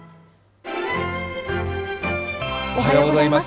おはようございます。